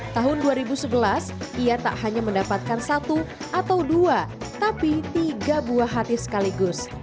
tahun dua ribu sebelas ia tak hanya mendapatkan satu atau dua tapi tiga buah hati sekaligus